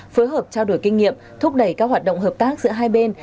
phối hợp trao đổi kinh nghiệm thúc đẩy các hoạt động hợp tác giữa hai bên